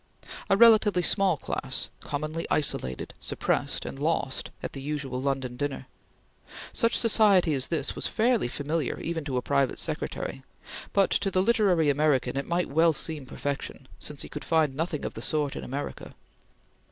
A relatively small class, commonly isolated, suppressed, and lost at the usual London dinner, such society as this was fairly familiar even to a private secretary, but to the literary American it might well seem perfection since he could find nothing of the sort in America.